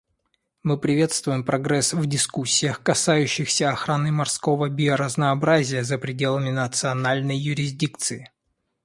Мы приветствуем прогресс в дискуссиях, касающихся охраны морского биоразнообразия за пределами национальной юрисдикции.